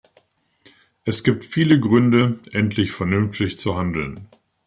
Es gibt viele Gründe, endlich vernünftig zu handeln.